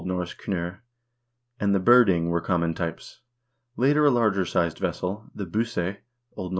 N. kndrr) and the byrding were common types. Later a larger sized vessel, the busse 1 (O.